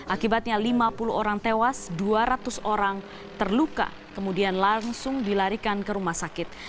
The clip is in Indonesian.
akibatnya lima puluh orang tewas dua ratus orang terluka kemudian langsung dilarikan ke rumah sakit